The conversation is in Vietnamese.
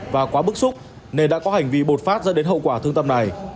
và quá bức xúc nên đã có hành vi bột phát dẫn đến hậu quả thương tâm này